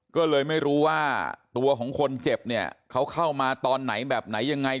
ก็เลยไม่รู้ว่าตัวของคนเจ็บเนี่ยเขาเข้ามาตอนไหนแบบไหนยังไง